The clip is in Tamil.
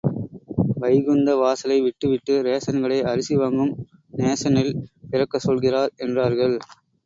வைகுந்த வாசலை விட்டு விட்டு ரேஷன் கடை அரிசி வாங்கும் நேஷனில் பிறக்கச் சொல்கிறார் என்றார்கள்.